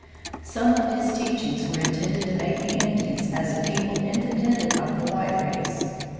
Some of his teachings were intended to make the Indians as a people independent of the white race.